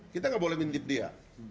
kita nggak boleh mintip dia